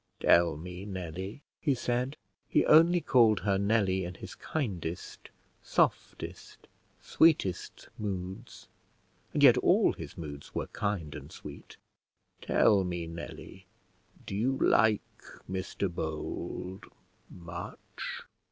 "Tell me, Nelly," he said (he only called her Nelly in his kindest, softest, sweetest moods, and yet all his moods were kind and sweet), "tell me, Nelly, do you like Mr Bold much?"